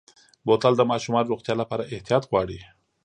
بوتل د ماشومو روغتیا لپاره احتیاط غواړي.